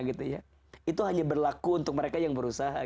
itu hanya berlaku untuk mereka yang berusaha